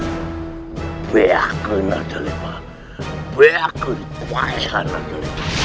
tanda bulan sabit itu adalah kekuasaanmu